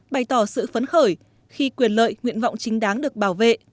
bày tỏ sự phấn khởi khi quyền lợi nguyện vọng chính đáng được bảo vệ